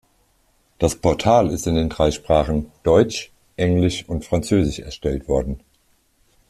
Das Portal ist in den drei Sprachen Deutsch, Englisch und Französisch erstellt worden.